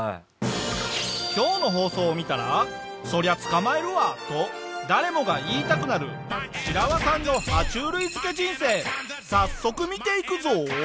今日の放送を見たら「そりゃ捕まえるわ」と誰もが言いたくなるシラワさんの爬虫類漬け人生早速見ていくぞ！